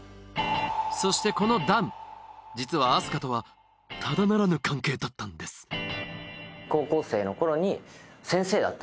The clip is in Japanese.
そしてこの弾実はあす花とはただならぬ関係だったんですそう